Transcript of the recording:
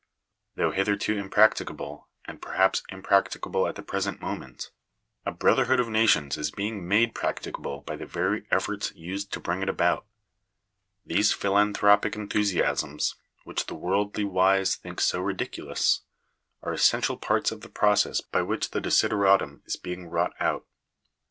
Though hitherto impracticable, and perhaps impracticable at the present moment, Digitized by VjOOQIC THE DUTY OF THE STATE. 273 a brotherhood of nations is being made practicable by the very efforts used to bring it about. These philanthropic enthusiasms, which the worldly wise think so ridiculous, are essential parts of the process by which the desideratum is being wrought out.